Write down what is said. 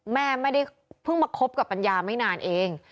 แม่ไม่ได้เพิ่งมาคบกับปัญญาไม่นานเอง